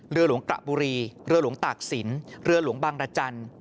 เรือหลวงกระบุรีเรือหลวงตากศิลป์เรือหลวงบางรจันทร์